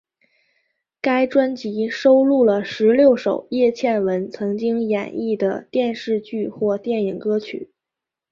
该专辑收录了十六首叶蒨文曾经演绎的电视剧或电影歌曲。